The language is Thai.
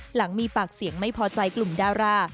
หลังมีปากเสียงไม่พอใจกลุ่มดารา